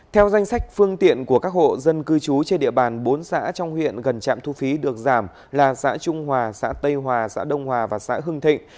theo danh sách phương tiện của các hộ dân cư trú trên địa bàn bốn xã trong huyện gần trạm thu phí được giảm là xã trung hòa xã tây hòa xã đông hòa và xã hưng thịnh